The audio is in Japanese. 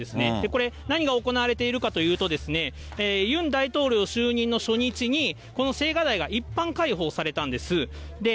これ、何が行われているかといいますと、ユン大統領就任の初日に、この青瓦台が一般開放されたんです。